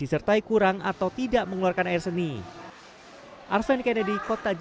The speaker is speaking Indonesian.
disertai kurang atau tidak mengeluarkan air seni